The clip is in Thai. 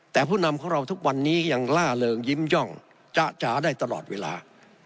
แต่ผู้นำของเราทุกวันนี้ยังล่าเริงยิ้มย่องจ๊ะจ๋าได้ตลอดเวลา